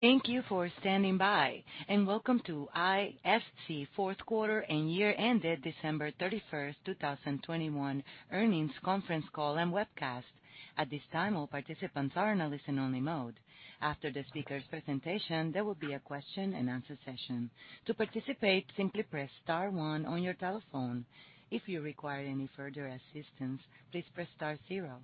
Thank you for standing by, and welcome to ISC fourth quarter and year ended December 31st, 2021 earnings conference call and webcast. At this time, all participants are in a listen only mode. After the speaker's presentation, there will be a Q&A session. To participate, simply press star one on your telephone. If you require any further assistance, please press star zero.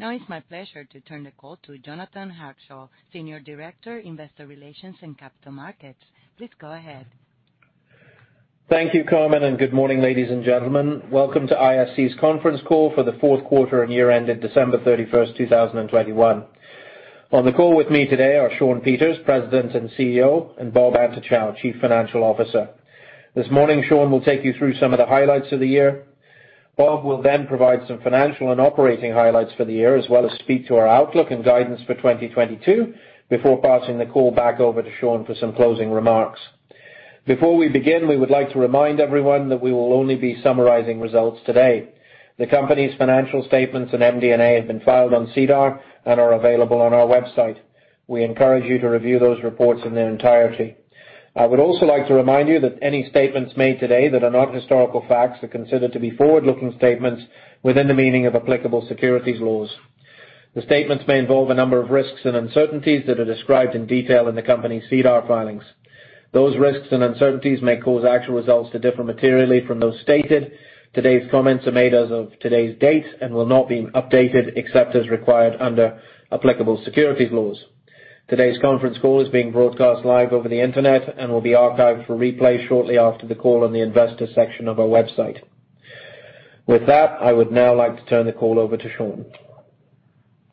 Now it's my pleasure to turn the call to Jonathan Hackshaw, Senior Director, Investor Relations and Capital Markets. Please go ahead. Thank you, Carmen, and good morning, ladies and gentlemen. Welcome to ISC's conference call for the fourth quarter and year ended December 31st, 2021. On the call with me today are Shawn Peters, President and CEO, and Bob Antochow, Chief Financial Officer. This morning, Shawn will take you through some of the highlights of the year. Bob will then provide some financial and operating highlights for the year as well as speak to our outlook and guidance for 2022 before passing the call back over to Shawn for some closing remarks. Before we begin, we would like to remind everyone that we will only be summarizing results today. The company's financial statements and MD&A have been filed on SEDAR and are available on our website. We encourage you to review those reports in their entirety. I would also like to remind you that any statements made today that are not historical facts are considered to be forward-looking statements within the meaning of applicable securities laws. The statements may involve a number of risks and uncertainties that are described in detail in the company's SEDAR filings. Those risks and uncertainties may cause actual results to differ materially from those stated. Today's comments are made as of today's date and will not be updated except as required under applicable securities laws. Today's conference call is being broadcast live over the Internet and will be archived for replay shortly after the call on the investor section of our website. With that, I would now like to turn the call over to Shawn.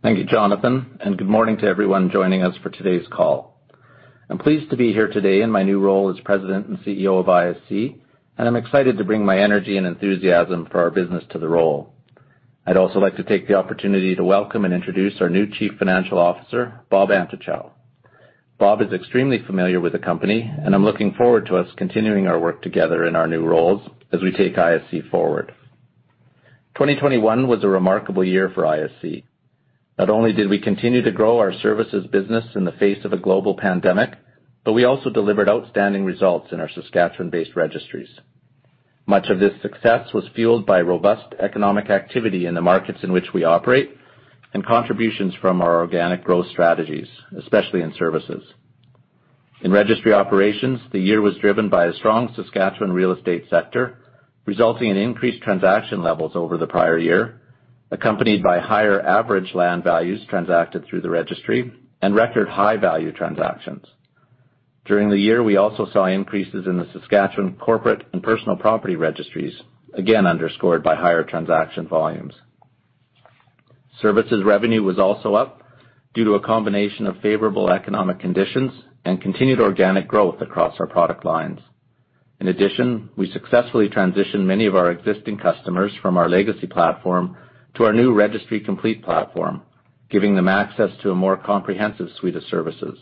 Thank you, Jonathan, and good morning to everyone joining us for today's call. I'm pleased to be here today in my new role as President and CEO of ISC, and I'm excited to bring my energy and enthusiasm for our business to the role. I'd also like to take the opportunity to welcome and introduce our new Chief Financial Officer, Bob Antochow. Bob is extremely familiar with the company, and I'm looking forward to us continuing our work together in our new roles as we take ISC forward. 2021 was a remarkable year for ISC. Not only did we continue to grow our services business in the face of a global pandemic, but we also delivered outstanding results in our Saskatchewan-based registries. Much of this success was fueled by robust economic activity in the markets in which we operate and contributions from our organic growth strategies, especially in services. In registry operations, the year was driven by a strong Saskatchewan real estate sector, resulting in increased transaction levels over the prior year, accompanied by higher average land values transacted through the registry and record high value transactions. During the year, we also saw increases in the Saskatchewan corporate and personal property registries, again underscored by higher transaction volumes. Services revenue was also up due to a combination of favorable economic conditions and continued organic growth across our product lines. In addition, we successfully transitioned many of our existing customers from our legacy platform to our new Registry Complete platform, giving them access to a more comprehensive suite of services.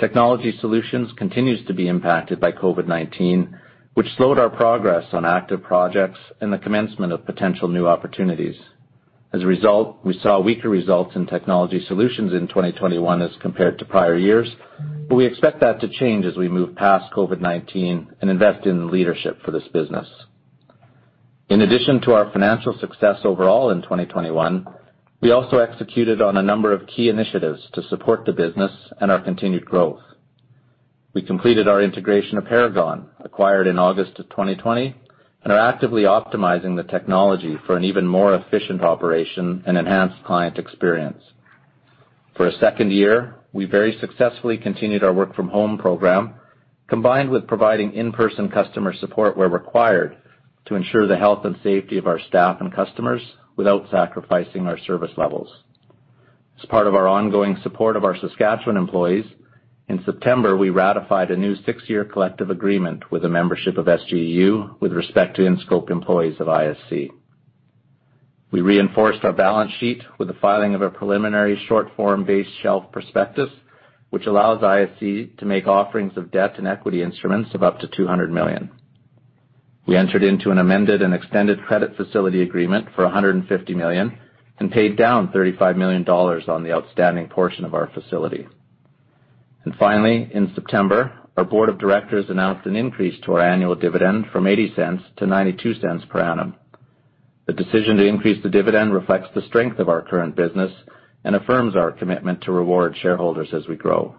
Technology solutions continues to be impacted by COVID-19, which slowed our progress on active projects and the commencement of potential new opportunities. As a result, we saw weaker results in technology solutions in 2021 as compared to prior years, but we expect that to change as we move past COVID-19 and invest in leadership for this business. In addition to our financial success overall in 2021, we also executed on a number of key initiatives to support the business and our continued growth. We completed our integration of Paragon, acquired in August of 2020, and are actively optimizing the technology for an even more efficient operation and enhanced client experience. For a second year, we very successfully continued our work from home program, combined with providing in-person customer support where required to ensure the health and safety of our staff and customers without sacrificing our service levels. As part of our ongoing support of our Saskatchewan employees, in September, we ratified a new six-year collective agreement with the membership of SGEU with respect to in-scope employees of ISC. We reinforced our balance sheet with the filing of a preliminary short form-based shelf prospectus, which allows ISC to make offerings of debt and equity instruments of up to 200 million. We entered into an amended and extended credit facility agreement for 150 million and paid down 35 million dollars on the outstanding portion of our facility. Finally, in September, our board of directors announced an increase to our annual dividend from CAD $0.80-CAD $0.92 per annum. The decision to increase the dividend reflects the strength of our current business and affirms our commitment to reward shareholders as we grow.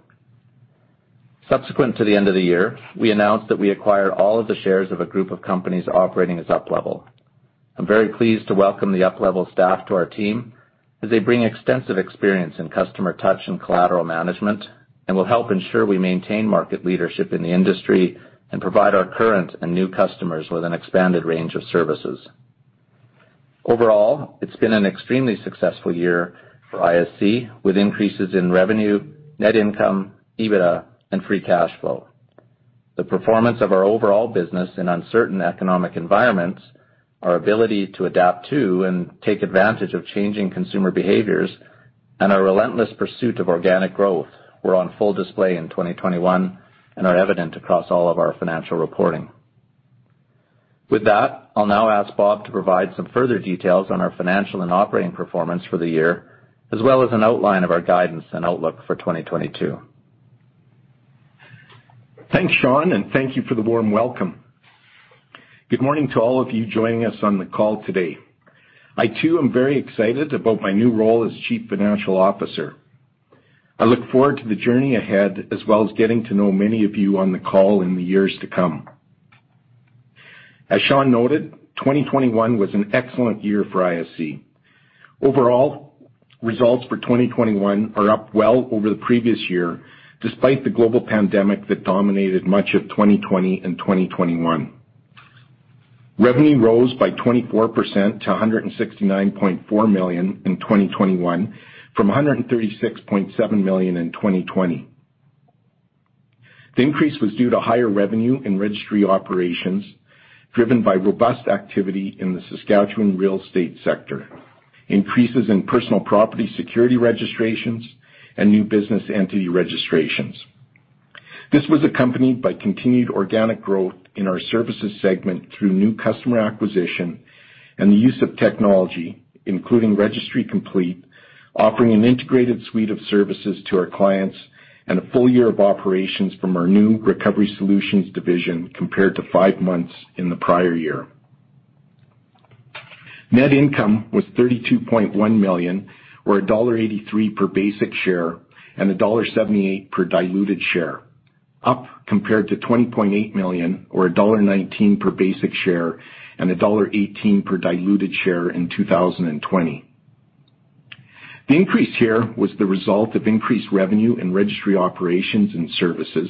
Subsequent to the end of the year, we announced that we acquired all of the shares of a group of companies operating as UPLevel. I'm very pleased to welcome the UPLevel staff to our team as they bring extensive experience in customer touch and collateral management and will help ensure we maintain market leadership in the industry and provide our current and new customers with an expanded range of services. Overall, it's been an extremely successful year for ISC, with increases in revenue, net income, EBITDA, and free cash flow. The performance of our overall business in uncertain economic environments, our ability to adapt to and take advantage of changing consumer behaviors, and our relentless pursuit of organic growth were on full display in 2021 and are evident across all of our financial reporting. With that, I'll now ask Bob to provide some further details on our financial and operating performance for the year, as well as an outline of our guidance and outlook for 2022. Thanks, Shawn, and thank you for the warm welcome. Good morning to all of you joining us on the call today. I, too, am very excited about my new role as Chief Financial Officer. I look forward to the journey ahead, as well as getting to know many of you on the call in the years to come. As Shawn noted, 2021 was an excellent year for ISC. Overall, results for 2021 are up well over the previous year, despite the global pandemic that dominated much of 2020 and 2021. Revenue rose by 24% to 169.4 million in 2021 from 136.7 million in 2020. The increase was due to higher revenue in registry operations, driven by robust activity in the Saskatchewan real estate sector, increases in personal property security registrations, and new business entity registrations. This was accompanied by continued organic growth in our services segment through new customer acquisition and the use of technology, including Registry Complete, offering an integrated suite of services to our clients and a full year of operations from our new Recovery Solutions division compared to five months in the prior year. Net income was 32.1 million, or dollar 1.83 per basic share and dollar 1.78 per diluted share, up compared to 20.8 million or dollar 1.19 per basic share and 1.18 dollar per diluted share in 2020. The increase here was the result of increased revenue in registry operations and services,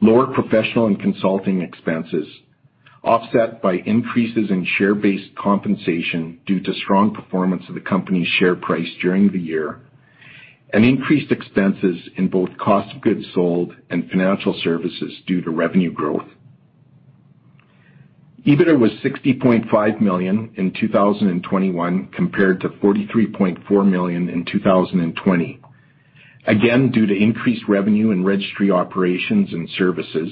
lower professional and consulting expenses, offset by increases in share-based compensation due to strong performance of the company's share price during the year, and increased expenses in both cost of goods sold and financial services due to revenue growth. EBITDA was 60.5 million in 2021 compared to 43.4 million in 2020, again, due to increased revenue in registry operations and services,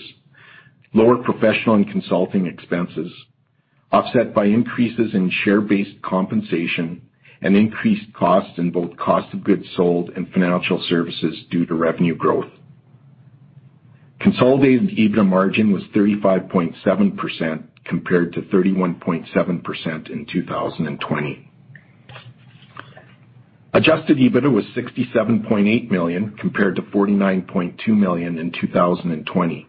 lower professional and consulting expenses, offset by increases in share-based compensation and increased costs in both cost of goods sold and financial services due to revenue growth. Consolidated EBITDA margin was 35.7% compared to 31.7% in 2020. Adjusted EBITDA was 67.8 million compared to 49.2 million in 2020.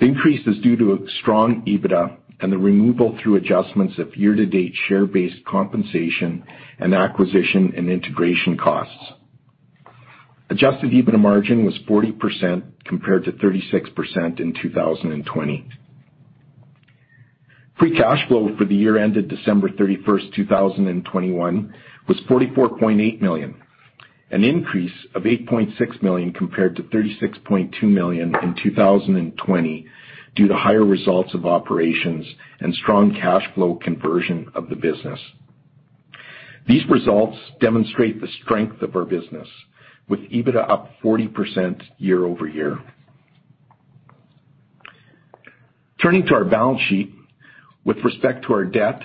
The increase is due to a strong EBITDA and the removal through adjustments of year-to-date share-based compensation and acquisition and integration costs. Adjusted EBITDA margin was 40% compared to 36% in 2020. Free cash flow for the year ended December 31st, 2021 was 44.8 million, an increase of 8.6 million compared to 36.2 million in 2020 due to higher results of operations and strong cash flow conversion of the business. These results demonstrate the strength of our business with EBITDA up 40% year-over-year. Turning to our balance sheet. With respect to our debt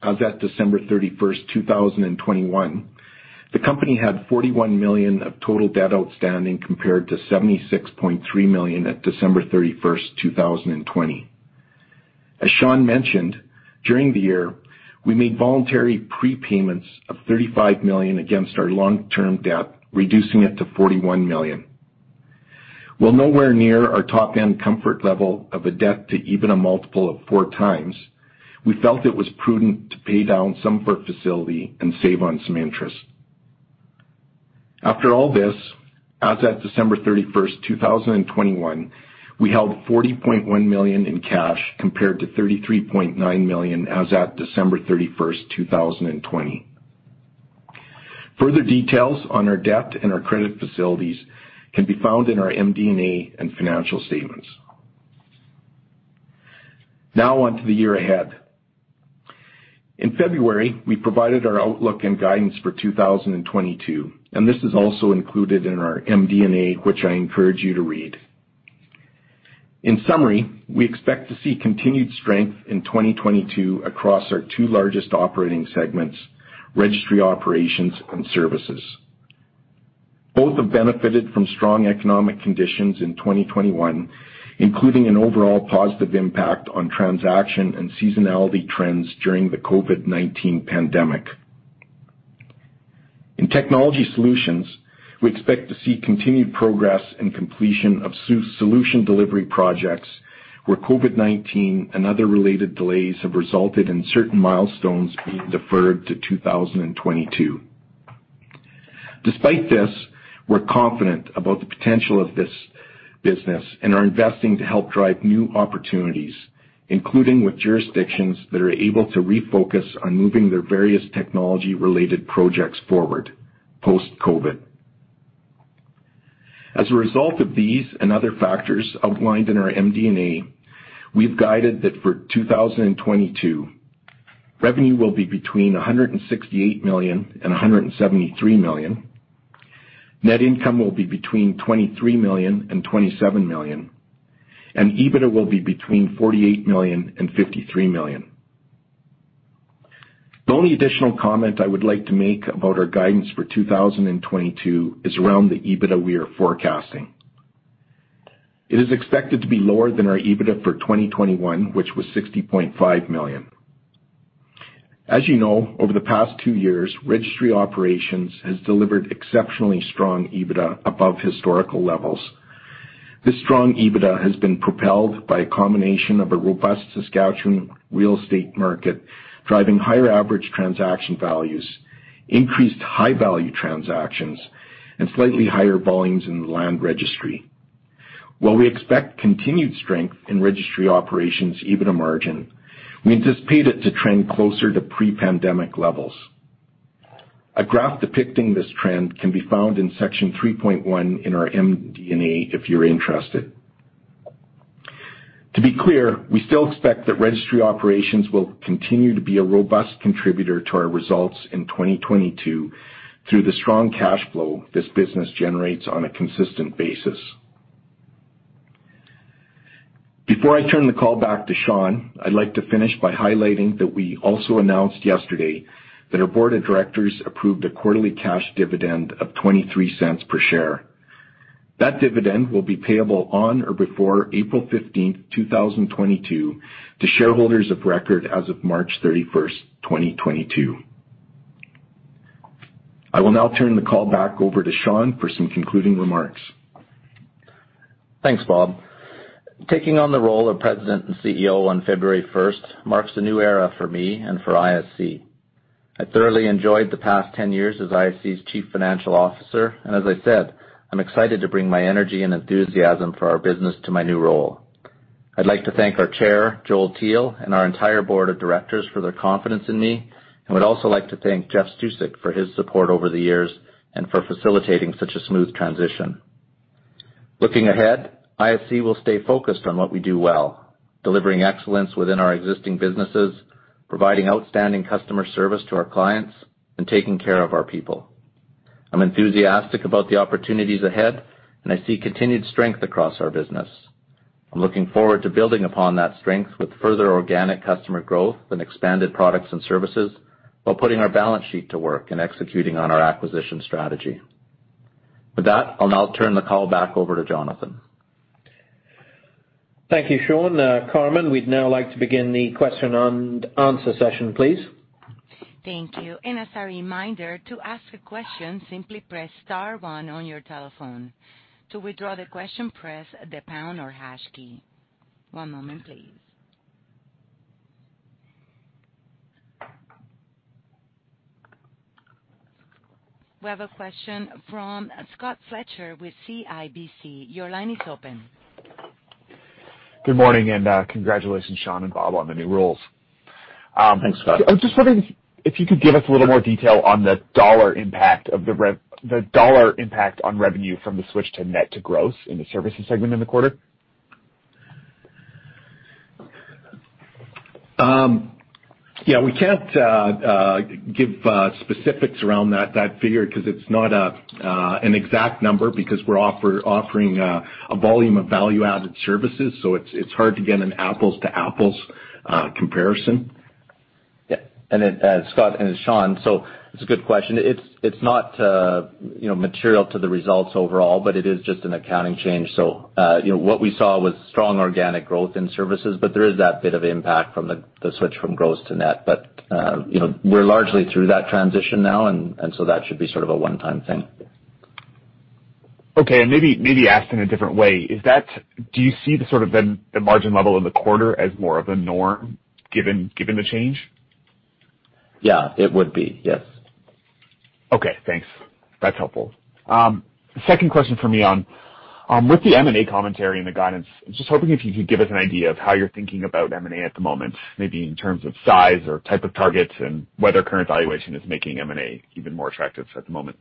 as at December 31st, 2021, the company had 41 million of total debt outstanding compared to 76.3 million at December 31st, 2020. As Shawn mentioned, during the year, we made voluntary prepayments of 35 million against our long-term debt, reducing it to 41 million. While nowhere near our top end comfort level of a debt to EBITDA multiple of 4x, we felt it was prudent to pay down some of the facility and save on some interest. After all this, as at December 31st, 2021, we held CAD 40.1 million in cash compared to CAD 33.9 million as at December 31st, 2020. Further details on our debt and our credit facilities can be found in our MD&A and financial statements. Now onto the year ahead. In February, we provided our outlook and guidance for 2022, and this is also included in our MD&A, which I encourage you to read. In summary, we expect to see continued strength in 2022 across our two largest operating segments, registry operations and services. Both have benefited from strong economic conditions in 2021, including an overall positive impact on transaction and seasonality trends during the COVID-19 pandemic. In technology solutions, we expect to see continued progress and completion of solution delivery projects where COVID-19 and other related delays have resulted in certain milestones being deferred to 2022. Despite this, we're confident about the potential of this business and are investing to help drive new opportunities, including with jurisdictions that are able to refocus on moving their various technology-related projects forward, post-COVID. As a result of these and other factors outlined in our MD&A, we've guided that for 2022, revenue will be between 168 million and 173 million. Net income will be between 23 million and 27 million, and EBITDA will be between 48 million and 53 million. The only additional comment I would like to make about our guidance for 2022 is around the EBITDA we are forecasting. It is expected to be lower than our EBITDA for 2021, which was 60.5 million. As you know, over the past two years, registry operations has delivered exceptionally strong EBITDA above historical levels. This strong EBITDA has been propelled by a combination of a robust Saskatchewan real estate market, driving higher average transaction values, increased high value transactions, and slightly higher volumes in the land registry. While we expect continued strength in registry operations EBITDA margin, we anticipate it to trend closer to pre-pandemic levels. A graph depicting this trend can be found in Section 3.1 in our MD&A if you're interested. To be clear, we still expect that registry operations will continue to be a robust contributor to our results in 2022 through the strong cash flow this business generates on a consistent basis. Before I turn the call back to Shawn, I'd like to finish by highlighting that we also announced yesterday that our board of directors approved a quarterly cash dividend of CAD $0.23 per share. That dividend will be payable on or before April 15th, 2022, to shareholders of record as of March 31st, 2022. I will now turn the call back over to Shawn for some concluding remarks. Thanks, Bob Antochow. Taking on the role of President and CEO on February 1st marks a new era for me and for ISC. I thoroughly enjoyed the past 10 years as ISC's Chief Financial Officer, and as I said, I'm excited to bring my energy and enthusiasm for our business to my new role. I'd like to thank our Chair, Joel Teal, and our entire board of directors for their confidence in me, and would also like to thank Jeff Stusek for his support over the years and for facilitating such a smooth transition. Looking ahead, ISC will stay focused on what we do well, delivering excellence within our existing businesses, providing outstanding customer service to our clients and taking care of our people. I'm enthusiastic about the opportunities ahead and I see continued strength across our business. I'm looking forward to building upon that strength with further organic customer growth and expanded products and services while putting our balance sheet to work and executing on our acquisition strategy. With that, I'll now turn the call back over to Jonathan. Thank you, Shawn. Carmen, we'd now like to begin the Q&A session, please. Thank you. As a reminder, to ask a question simply press star one on your telephone. To withdraw the question, press the pound or hash key. One moment, please. We have a question from Scott Fletcher with CIBC. Your line is open. Good morning and, congratulations, Shawn and Bob, on the new roles. Thanks, Scott. I'm just wondering if you could give us a little more detail on the dollar impact on revenue from the switch to net revenue growth in the services segment in the quarter? Yeah, we can't give specifics around that figure 'cause it's not an exact number because we're offering a volume of value-added services, so it's hard to get an apples to apples comparison. Scott, and it's Shawn. It's a good question. It's not, you know, material to the results overall, but it is just an accounting change. You know, what we saw was strong organic growth in services, but there is that bit of impact from the switch from gross to net. You know, we're largely through that transition now and so that should be sort of a one-time thing. Maybe asked in a different way, is that, do you see the sort of margin level in the quarter as more of a norm given the change? Yeah, it would be, yes. Okay, thanks. That's helpful. Second question for me on, with the M&A commentary and the guidance, I was just hoping if you could give us an idea of how you're thinking about M&A at the moment, maybe in terms of size or type of targets and whether current valuation is making M&A even more attractive at the moment?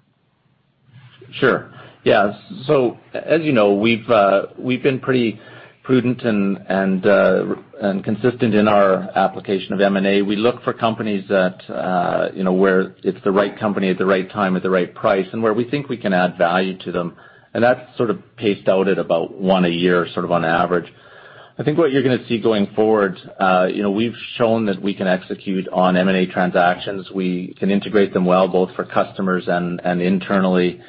Sure. Yeah. As you know, we've been pretty prudent and consistent in our application of M&A. We look for companies that, you know, where it's the right company at the right time with the right price and where we think we can add value to them. That's sort of paced out at about one a year, sort of on average. I think what you're gonna see going forward, you know, we've shown that we can execute on M&A transactions. We can integrate them well, both for customers and internally.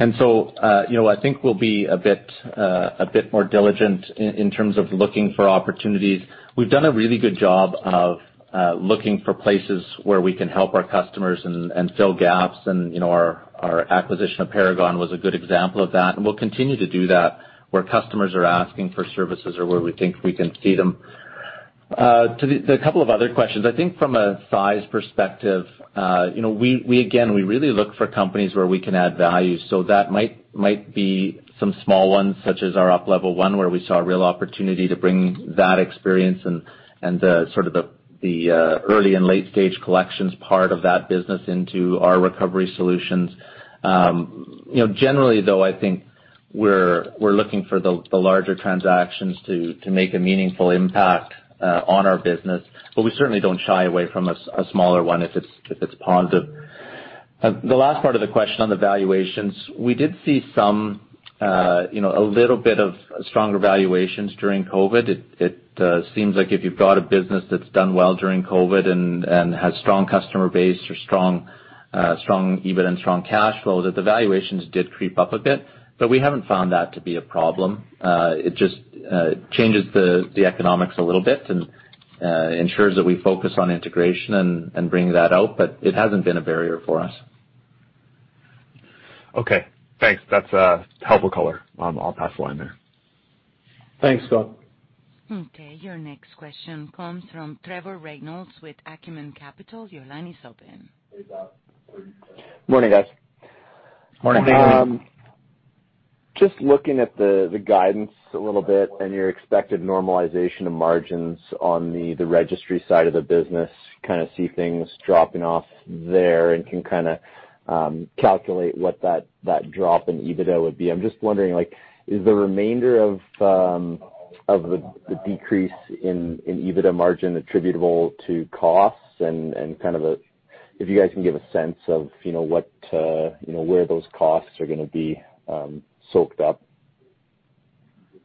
I think we'll be a bit more diligent in terms of looking for opportunities. We've done a really good job of looking for places where we can help our customers and fill gaps and, you know, our acquisition of Paragon was a good example of that, and we'll continue to do that where customers are asking for services or where we think we can see them. A couple of other questions. I think from a size perspective, you know, we again really look for companies where we can add value. So that might be some small ones such as our UPLevel, where we saw a real opportunity to bring that experience and the sort of the early and late stage collections part of that business into our Recovery Solutions. You know, generally though, I think we're looking for the larger transactions to make a meaningful impact on our business, but we certainly don't shy away from a smaller one if it's positive. The last part of the question on the valuations, we did see some you know a little bit of stronger valuations during COVID. It seems like if you've got a business that's done well during COVID and has strong customer base or strong EBITDA and strong cash flows, that the valuations did creep up a bit. We haven't found that to be a problem. It just changes the economics a little bit and ensures that we focus on integration and bring that out, but it hasn't been a barrier for us. Okay, thanks. That's a helpful color. I'll pass the line there. Thanks, Scott. Okay, your next question comes from Trevor Reynolds with Acumen Capital. Your line is open. Good morning, guys. Morning. Good morning. Just looking at the guidance a little bit and your expected normalization of margins on the registry side of the business, I kinda see things dropping off there and can kinda calculate what that drop in EBITDA would be. I'm just wondering, like, is the remainder of the decrease in EBITDA margin attributable to costs? Kind of, if you guys can give a sense of, you know, what, you know, where those costs are gonna be soaked up.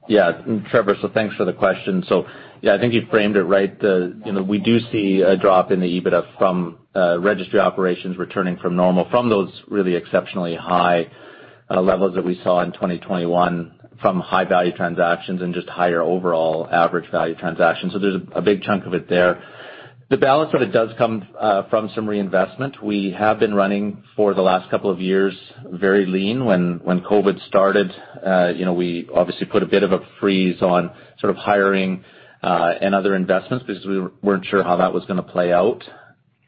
Yeah. Trevor, thanks for the question. Yeah, I think you framed it right. You know, we do see a drop in the EBITDA from registry operations returning to normal from those really exceptionally high levels that we saw in 2021 from high-value transactions and just higher overall average value transactions. There's a big chunk of it there. The balance of it does come from some reinvestment. We have been running for the last couple of years very lean. When COVID started, you know, we obviously put a bit of a freeze on sort of hiring and other investments because we weren't sure how that was gonna play out.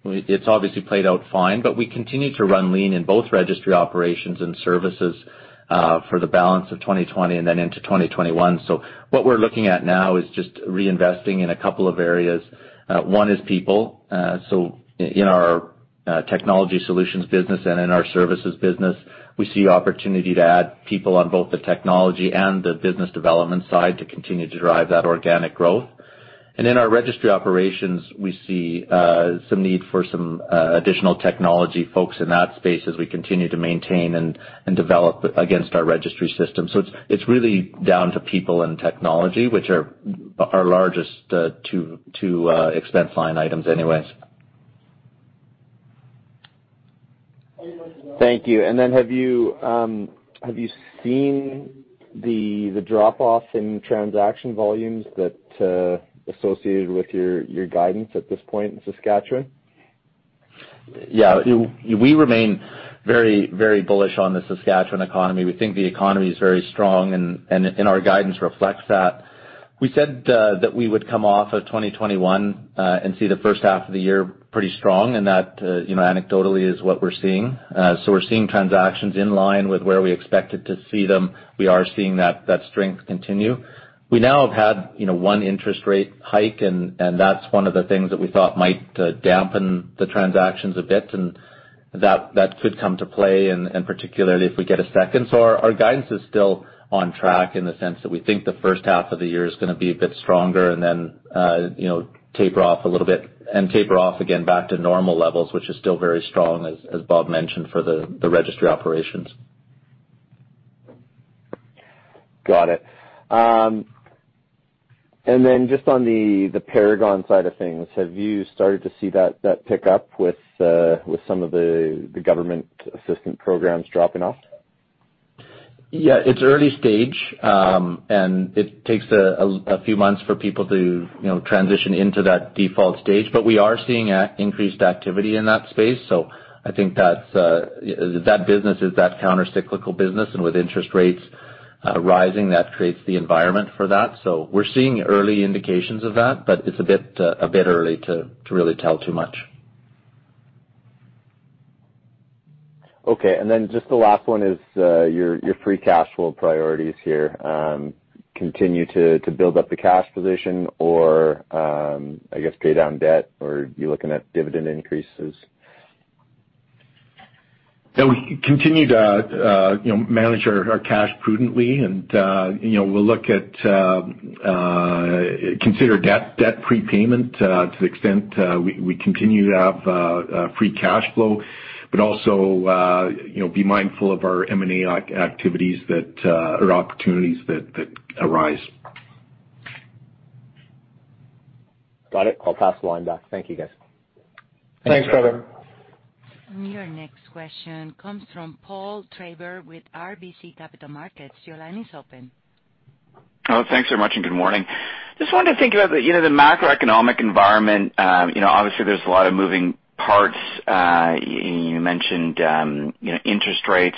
It's obviously played out fine, but we continued to run lean in both registry operations and services for the balance of 2020 and then into 2021. What we're looking at now is just reinvesting in a couple of areas. One is people. In our technology solutions business and in our services business, we see opportunity to add people on both the technology and the business development side to continue to drive that organic growth. In our registry operations, we see some need for some additional technology folks in that space as we continue to maintain and develop against our registry system. It's really down to people and technology, which are our largest two expense line items anyways. Thank you. Have you seen the drop-off in transaction volumes that associated with your guidance at this point in Saskatchewan? Yeah. We remain very, very bullish on the Saskatchewan economy. We think the economy is very strong and our guidance reflects that. We said that we would come off of 2021 and see the first half of the year pretty strong, and that you know, anecdotally is what we're seeing. We're seeing transactions in line with where we expected to see them. We are seeing that strength continue. We now have had you know, one interest rate hike, and that's one of the things that we thought might dampen the transactions a bit, and that could come to play and particularly if we get a second. Our guidance is still on track in the sense that we think the first half of the year is gonna be a bit stronger and then, you know, taper off a little bit and taper off again back to normal levels, which is still very strong, as Bob mentioned, for the registry operations. Got it. Just on the Paragon side of things, have you started to see that pick up with some of the government assistance programs dropping off? Yeah. It's early stage, and it takes a few months for people to, you know, transition into that default stage. We are seeing an increased activity in that space, so I think that's that business is that counter-cyclical business, with interest rates rising, that creates the environment for that. We're seeing early indications of that, but it's a bit early to really tell too much. Okay. Just the last one is your free cash flow priorities here. Continue to build up the cash position or, I guess, pay down debt, or are you looking at dividend increases? Yeah. We continue to, you know, manage our cash prudently, and, you know, we'll look to consider debt prepayment to the extent we continue to have free cash flow, but also, you know, be mindful of our M&A activities or opportunities that arise. Got it. I'll pass the line back. Thank you, guys. Thanks, Trevor. Thanks. Your next question comes from Paul Treiber with RBC Capital Markets. Your line is open. Oh, thanks so much, and good morning. Just wanted to think about the, you know, the macroeconomic environment. You know, obviously there's a lot of moving parts. You mentioned, you know, interest rates.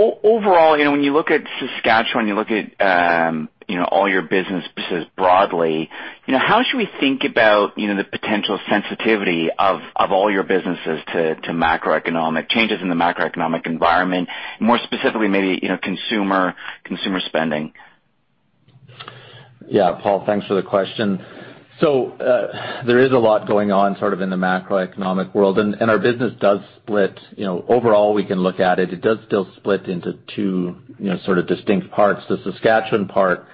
Overall, you know, when you look at Saskatchewan, you look at, you know, all your business pieces broadly, you know, how should we think about, you know, the potential sensitivity of all your businesses to macroeconomic changes in the macroeconomic environment, more specifically maybe, you know, consumer spending? Yeah, Paul, thanks for the question. There is a lot going on sort of in the macroeconomic world, and our business does split. You know, overall, we can look at it does still split into two, you know, sort of distinct parts. The Saskatchewan part,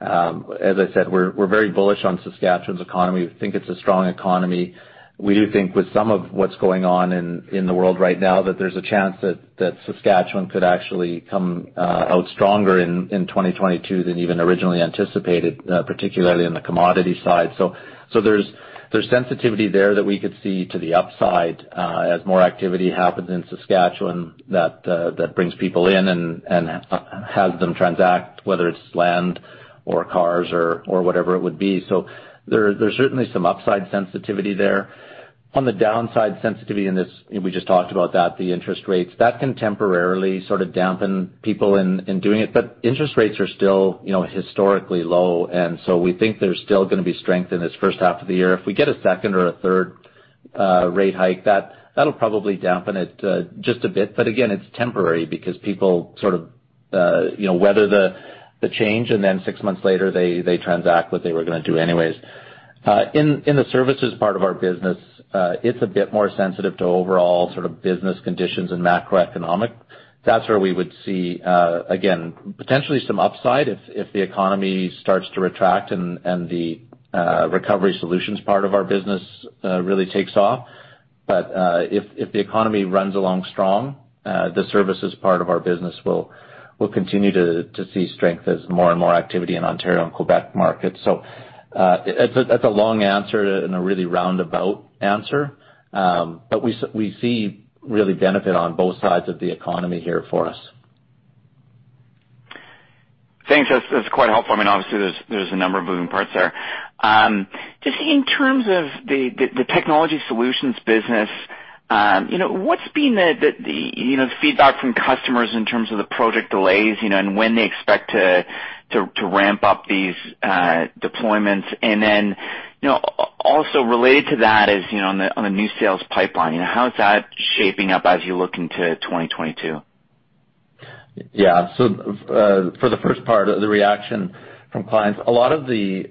as I said, we're very bullish on Saskatchewan's economy. We think it's a strong economy. We do think with some of what's going on in the world right now that there's a chance that Saskatchewan could actually come out stronger in 2022 than even originally anticipated, particularly in the commodity side. There's sensitivity there that we could see to the upside, as more activity happens in Saskatchewan that brings people in and has them transact, whether it's land or cars or whatever it would be. There's certainly some upside sensitivity there. On the downside sensitivity in this, you know, we just talked about that, the interest rates. That can temporarily sort of dampen people in doing it. Interest rates are still, you know, historically low, and we think there's still gonna be strength in this first half of the year. If we get a second or a third rate hike, that'll probably dampen it just a bit. Again, it's temporary because people sort of, you know, weather the change and then six months later they transact what they were gonna do anyways. In the services part of our business, it's a bit more sensitive to overall sort of business conditions and macroeconomic. That's where we would see, again, potentially some upside if the economy starts to retract and the Recovery Solutions part of our business really takes off. If the economy runs along strong, the services part of our business will continue to see strength as more and more activity in Ontario and Quebec markets. That's a long answer to, and a really roundabout answer. We see really benefit on both sides of the economy here for us. Thanks. That's quite helpful. I mean, obviously, there's a number of moving parts there. Just in terms of the technology solutions business, you know, what's been the feedback from customers in terms of the project delays, you know, and when they expect to ramp up these deployments? Also related to that is, you know, on the new sales pipeline, you know, how is that shaping up as you look into 2022? Yeah. For the first part, the reaction from clients, a lot of the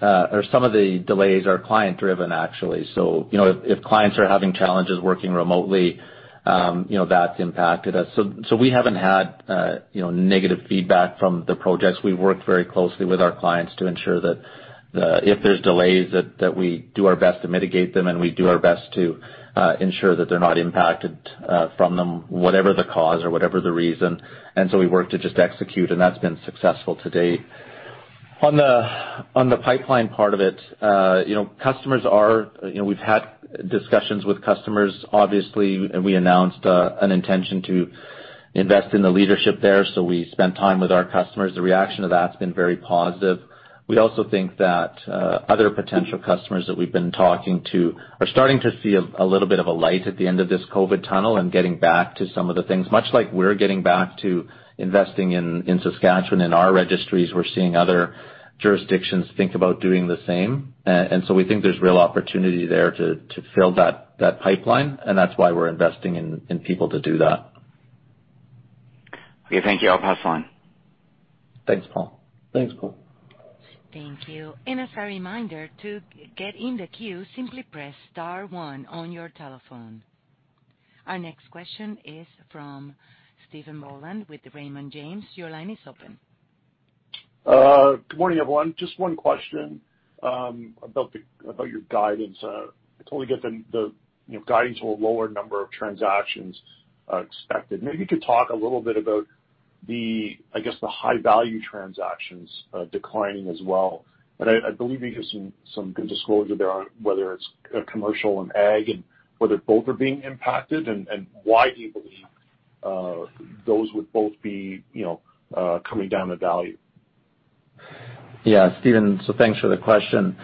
or some of the delays are client driven, actually. You know, if clients are having challenges working remotely, you know, that's impacted us. We haven't had, you know, negative feedback from the projects. We've worked very closely with our clients to ensure that if there's delays that we do our best to mitigate them, and we do our best to ensure that they're not impacted from them, whatever the cause or whatever the reason. We work to just execute, and that's been successful to date. On the pipeline part of it, you know, customers are... You know, we've had discussions with customers, obviously, and we announced an intention to invest in the leadership there, so we spent time with our customers. The reaction to that's been very positive. We also think that other potential customers that we've been talking to are starting to see a little bit of a light at the end of this COVID tunnel and getting back to some of the things. Much like we're getting back to investing in Saskatchewan in our registries, we're seeing other jurisdictions think about doing the same. We think there's real opportunity there to fill that pipeline, and that's why we're investing in people to do that. Okay, thank you. I'll pass the line. Thanks, Paul. Thanks, Paul. Thank you. As a reminder, to get in the queue, simply press star one on your telephone. Our next question is from Steven Li with Raymond James. Your line is open. Good morning, everyone. Just one question about your guidance. I totally get the you know guidance or lower number of transactions expected. Maybe you could talk a little bit about the I guess the high value transactions declining as well. I believe you gave some good disclosure there on whether it's commercial and ag and whether both are being impacted, and why do you believe those would both be you know coming down the value? Yeah, Steven, thanks for the question.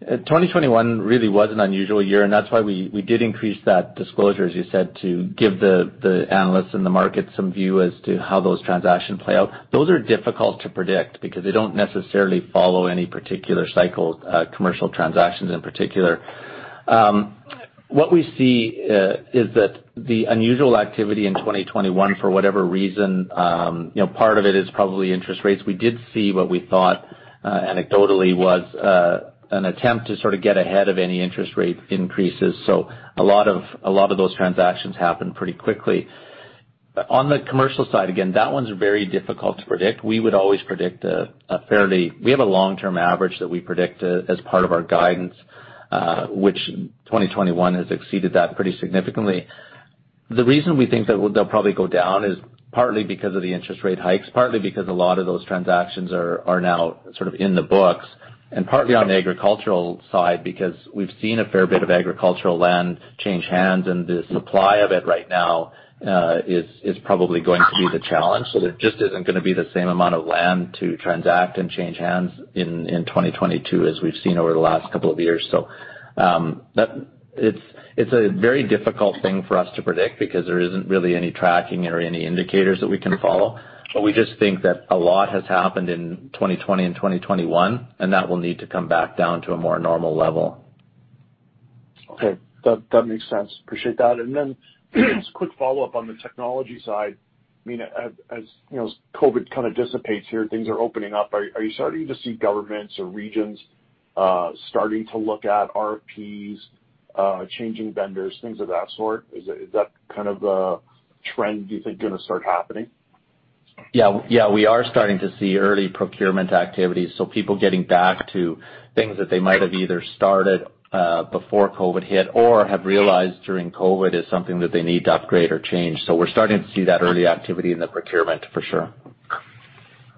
2021 really was an unusual year, and that's why we did increase that disclosure, as you said, to give the analysts and the market some view as to how those transactions play out. Those are difficult to predict because they don't necessarily follow any particular cycle, commercial transactions in particular. What we see is that the unusual activity in 2021, for whatever reason, you know, part of it is probably interest rates. We did see what we thought, anecdotally was, an attempt to sort of get ahead of any interest rate increases. So a lot of those transactions happened pretty quickly. On the commercial side, again, that one's very difficult to predict. We would always predict a fairly... We have a long-term average that we predict as part of our guidance, which 2021 has exceeded that pretty significantly. The reason we think that they'll probably go down is partly because of the interest rate hikes, partly because a lot of those transactions are now sort of in the books, and partly on the agricultural side because we've seen a fair bit of agricultural land change hands, and the supply of it right now is probably going to be the challenge. There just isn't gonna be the same amount of land to transact and change hands in 2022 as we've seen over the last couple of years. That it's a very difficult thing for us to predict because there isn't really any tracking or any indicators that we can follow. We just think that a lot has happened in 2020 and 2021, and that will need to come back down to a more normal level. Okay. That makes sense. Appreciate that. Just a quick follow-up on the technology side. I mean, as you know, as COVID kind of dissipates here, things are opening up. Are you starting to see governments or regions starting to look at RFPs, changing vendors, things of that sort? Is that kind of the trend do you think gonna start happening? Yeah. Yeah, we are starting to see early procurement activities, so people are getting back to things that they might have either started before COVID hit or have realized during COVID is something that they need to upgrade or change. We're starting to see that early activity in the procurement for sure.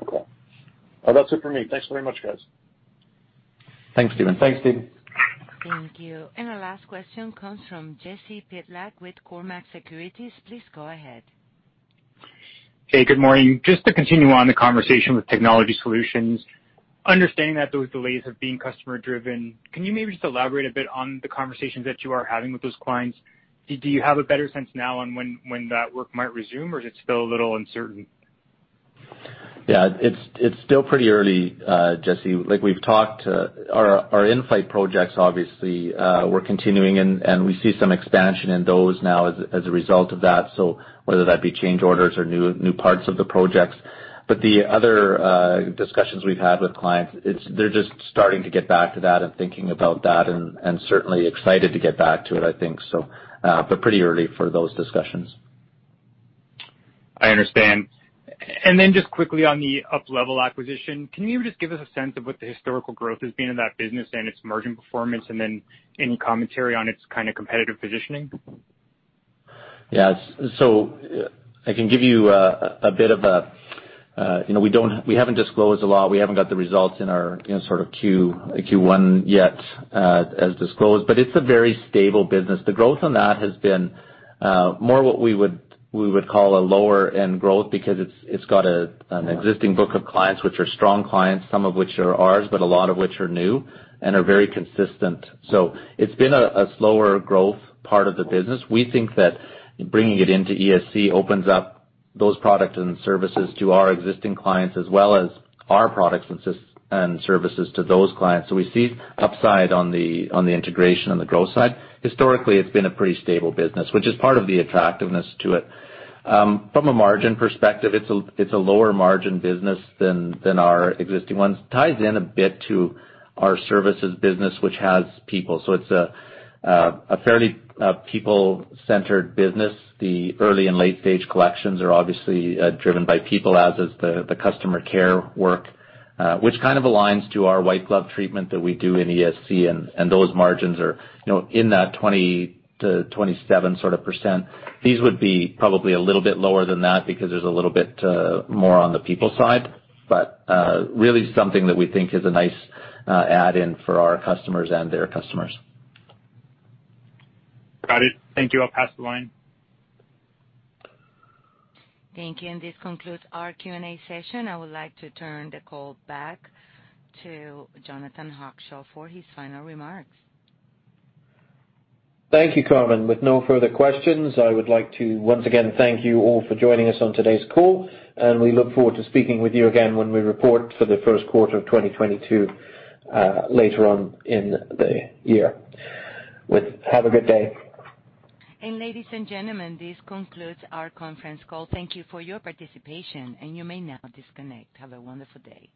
Okay. Well, that's it for me. Thanks very much, guys. Thanks, Steven. Thanks, Steven. Thank you. Our last question comes from Jesse Pytlak with Cormark Securities. Please go ahead. Hey, good morning. Just to continue on the conversation with Technology Solutions, understanding that those delays have been customer driven, can you maybe just elaborate a bit on the conversations that you are having with those clients? Do you have a better sense now on when that work might resume, or is it still a little uncertain? Yeah. It's still pretty early, Jesse. Like we've talked, our in-flight projects obviously, we're continuing and we see some expansion in those now as a result of that, so whether that be change orders or new parts of the projects. The other discussions we've had with clients, they're just starting to get back to that and thinking about that and certainly excited to get back to it, I think so. Pretty early for those discussions. I understand. Just quickly on the UPLevel acquisition, can you just give us a sense of what the historical growth has been in that business and its margin performance, and then any commentary on its kinda competitive positioning? Yeah. I can give you a bit of a, you know, we haven't disclosed a lot. We haven't got the results in our, you know, sort of Q1 yet, as disclosed. It's a very stable business. The growth on that has been more what we would call a lower end growth because it's got an existing book of clients, which are strong clients, some of which are ours, but a lot of which are new and are very consistent. It's been a slower growth part of the business. We think that bringing it into ISC opens up those products and services to our existing clients as well as our products and services to those clients. We see upside on the integration on the growth side. Historically, it's been a pretty stable business, which is part of the attractiveness to it. From a margin perspective, it's a lower margin business than our existing ones. Ties in a bit to our services business, which has people. It's a fairly people-centered business. The early and late stage collections are obviously driven by people, as is the customer care work, which kind of aligns to our white glove treatment that we do in ISC. Those margins are, you know, in that 20%-27% sort of. These would be probably a little bit lower than that because there's a little bit more on the people side. Really something that we think is a nice add in for our customers and their customers. Got it. Thank you. I'll pass the line. Thank you. This concludes our Q&A session. I would like to turn the call back to Jonathan Hackshaw for his final remarks. Thank you, Carmen. With no further questions, I would like to once again thank you all for joining us on today's call, and we look forward to speaking with you again when we report for the first quarter of 2022, later on in the year. Have a good day. Ladies and gentlemen, this concludes our conference call. Thank you for your participation, and you may now disconnect. Have a wonderful day.